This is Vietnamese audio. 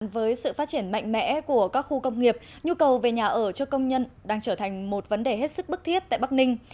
với sự phát triển mạnh mẽ của các khu công nghiệp nhu cầu về nhà ở cho công nhân đang trở thành một vấn đề hết sức bức thiết tại bắc ninh